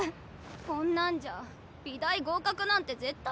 こんなんじゃ美大合格なんて絶対無理だ。